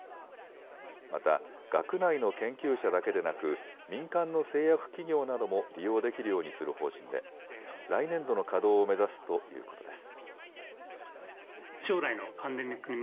また学内の研究者だけでなく民間の製薬企業なども利用できるようにする方針で来年度の稼働を目指すということです。